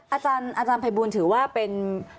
อาจารย์ภัยบูลถือว่าเป็น